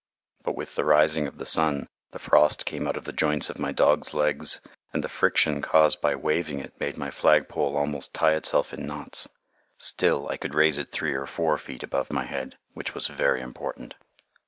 But, with the rising of the sun, the frost came out of the joints of my dogs' legs, and the friction caused by waving it made my flag pole almost tie itself in knots. Still, I could raise it three or four feet above my head, which was very important.